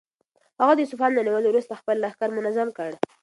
هغه د اصفهان له نیولو وروسته خپل لښکر منظم کړ.